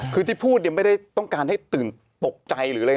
คือที่พูดเนี่ยไม่ได้ต้องการให้ตื่นตกใจหรืออะไร